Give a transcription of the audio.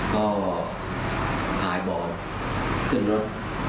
ก็ถ่ายบ่อขึ้นรถ